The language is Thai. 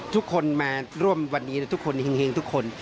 ทุกคนมาร่วมวันนี้ทุกคนเห็งทุกคน